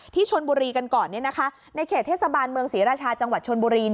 ที่ชนบุรีกันก่อนในเขตเทศบาลเมืองศรีราชาจังหวัดชนบุรี